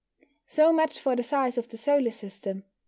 So much for the size of the solar system.